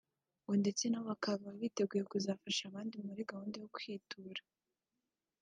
ngo ndetse nabo bakaba biteguye kuzafasha abandi muri gahunda yo kwitura